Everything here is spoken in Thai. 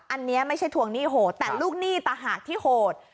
อันนี้ไม่ใช่ทวงหนี้โหดแต่ลูกหนี้ต่างหากที่โหด